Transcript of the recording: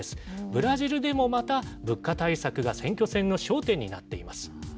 ブラジルでもまた、物価対策が選挙戦の焦点になっています。